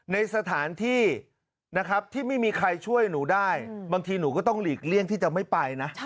ในสถานที่นะครับที่ไม่มีใครช่วยหนูได้บางทีหนูก็ต้องหลีกเลี่ยงที่จะไม่ไปนะ